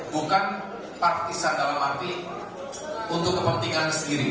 bukan partisan dalam arti untuk kepentingan sendiri